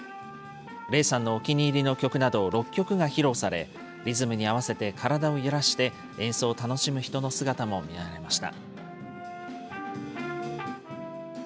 玲さんのお気に入りの曲など６曲が披露され、リズムに合わせて体を揺らして、演奏を楽しむ人の姿も見られました。